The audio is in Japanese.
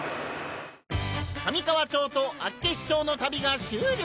「上川町と厚岸町の旅」が終了！